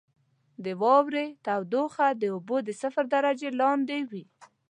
• د واورې تودوخه د اوبو د صفر درجې لاندې وي.